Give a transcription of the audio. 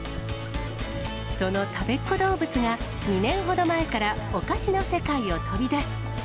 そのたべっ子どうぶつが、２年ほど前からお菓子の世界を飛び出し。